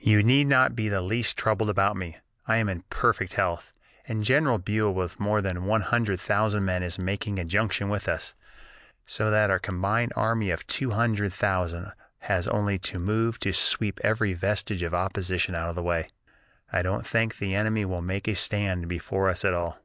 "You need not be the least troubled about me. I am in perfect health, and General Buell with more than one hundred thousand men is making a junction with us; so that our combined army of two hundred thousand has only to move to sweep every vestige of opposition out of the way, I don't think the enemy will make a stand before us at all."